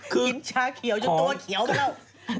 คืนชาเขียวจนตัวเขียวไปแล้ว